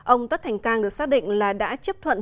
ông tất thành cang được xác định là đã chấp thuận